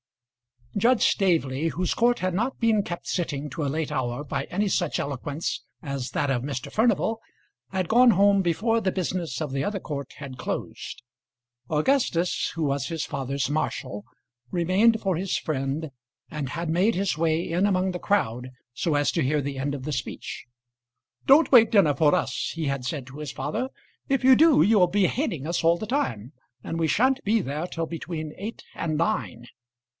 Judge Staveley, whose court had not been kept sitting to a late hour by any such eloquence as that of Mr. Furnival, had gone home before the business of the other court had closed. Augustus, who was his father's marshal, remained for his friend, and had made his way in among the crowd, so as to hear the end of the speech. "Don't wait dinner for us," he had said to his father. "If you do you will be hating us all the time; and we sha'n't be there till between eight and nine."